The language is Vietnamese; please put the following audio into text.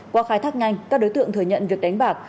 qua khai thác nhanh các đối tượng thừa nhận việc đánh bạc